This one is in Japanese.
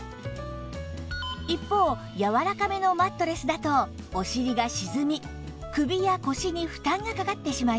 一方柔らかめのマットレスだとお尻が沈み首や腰に負担がかかってしまいます